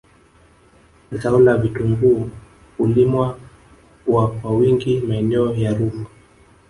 Zao la vitungui hulimwa wa wingi maeneo ya Ruvu